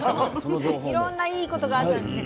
いろんないいことがあったんですね。